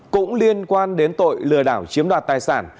cũng liên quan đến tội lừa đảo chiếm đoạt tài sản